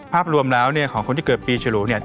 ภาพรวมแล้วเนี่ยของคนที่เกิดปีฉลูเนี่ย